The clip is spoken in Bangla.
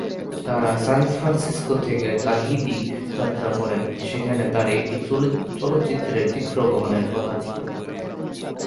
তারা স্যান ফ্রান্সিসকো থেকে তাহিতি যাত্রা করেন, সেখানে তার একটি চলচ্চিত্রের চিত্র গ্রহণের কথা ছিল।